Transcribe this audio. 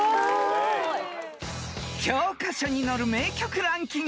［教科書に載る名曲ランキング］